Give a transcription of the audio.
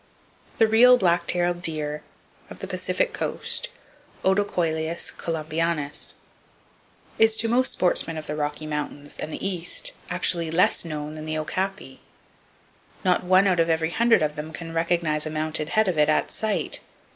The Real Black Tailed Deer, of the Pacific coast, (Odocoileus columbianus) is, to most sportsmen of the Rocky Mountains and the East actually less known than the okapi! Not one out of every hundred of them can recognize a mounted head of it at sight.